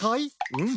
うん！